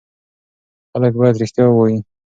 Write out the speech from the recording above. خلک باید رښتیا ووایي.